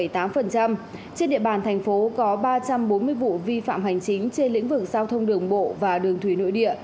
trên địa bàn thành phố có ba trăm bốn mươi vụ vi phạm hành chính trên lĩnh vực giao thông đường bộ và đường thủy nội địa